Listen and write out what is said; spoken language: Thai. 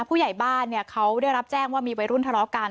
ผู้ใหญ่บ้านเขาได้รับแจ้งว่ามีวัยรุ่นทะเลาะกัน